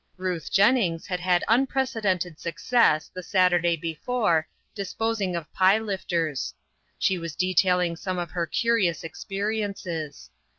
Ruth Jennings had had unprecedented success, the Saturday before, disposing of pie lifters. She was detailing some of her curious experiences.